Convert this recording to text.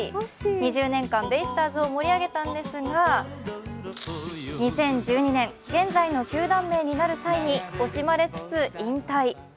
２０年間ベイスターズを盛り上げたんですが、２０１２年、現在の球団名になる際に惜しまれつつ引退。